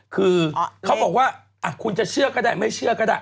คือเขาบอกว่าคุณจะเชื่อก็ได้ไม่เชื่อก็ได้